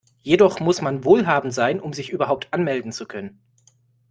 Jedoch muss man wohlhabend sein, um sich überhaupt anmelden zu können.